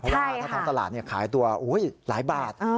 เพราะว่าท้องตลาดขายตัวอุ๊ยหลายบาท